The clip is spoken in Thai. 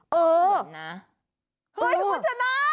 เฮ้ยคุณชนะ